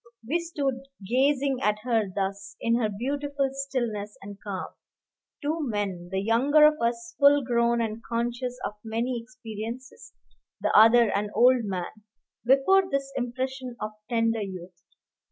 We stood gazing at her thus, in her beautiful stillness and calm, two men, the younger of us full grown and conscious of many experiences, the other an old man, before this impersonation of tender youth.